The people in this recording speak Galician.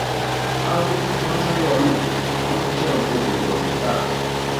Algo que non saíu a luz, non fixeron público o resultado.